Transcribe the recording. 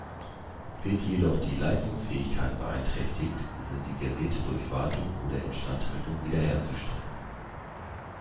Wird jedoch die Leistungsfähigkeit beeinträchtigt, sind die Geräte durch Wartung oder Instandhaltung wiederherzustellen.